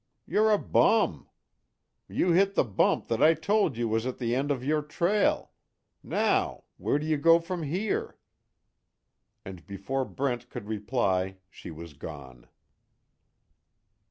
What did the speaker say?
You're a bum! You hit the bump that I told you was at the end of your trail now, where do you go from here?" And before Brent could reply she was gone.